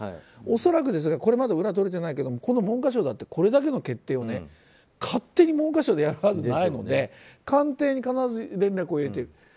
恐らくですがこれも裏は取れてないけどこの文科省だってこれだけの決定を勝手に文科省がやるはずないので官邸に必ず連絡を入れている。